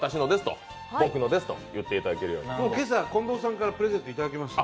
もう今朝、近藤さんからプレゼントいただきました。